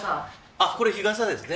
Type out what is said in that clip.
あっこれ日傘ですね。